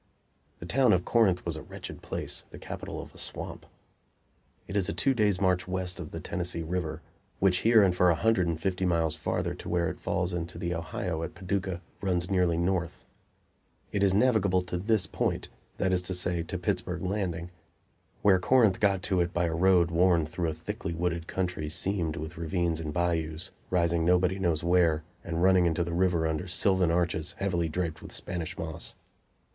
The town of Corinth was a wretched place the capital of a swamp. It is a two days' march west of the Tennessee River, which here and for a hundred and fifty miles farther, to where it falls into the Ohio at Paducah, runs nearly north. It is navigable to this point that is to say, to Pittsburg Landing, where Corinth got to it by a road worn through a thickly wooded country seamed with ravines and bayous, rising nobody knows where and running into the river under sylvan arches heavily draped with Spanish moss.